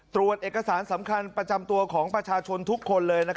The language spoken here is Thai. ตรวจเอกสารสำคัญประจำตัวของประชาชนทุกคนเลย